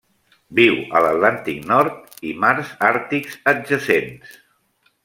Viu a l'Atlàntic Nord i mars àrtics adjacents.